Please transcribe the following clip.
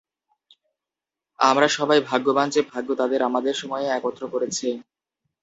আমরা সবাই ভাগ্যবান যে ভাগ্য তাদের আমাদের সময়ে একত্র করেছে।